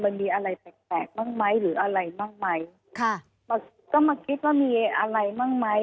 มันมีอะไรแปลกแปลกบ้างไหมหรืออะไรบ้างไหมค่ะก็มาคิดว่ามีอะไรบ้างไหม